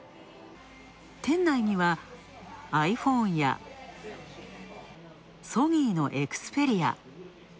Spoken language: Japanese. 店内にはｉＰｈｏｎｅやソニーのＸｐｅｒｉａ。